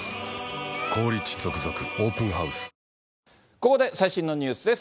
ここで最新のニュースです。